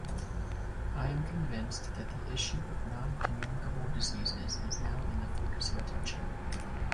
I am convinced that the issue of non-communicable diseases is now in the focus of attention.